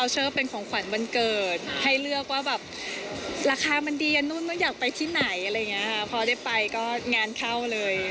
ใจก็งานเข้าเลย